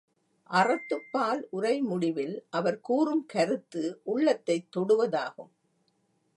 அறத்துப்பால் உரை முடிவில் அவர் கூறும் கருத்து உள்ளத்தைத் தொடுவதாகும்.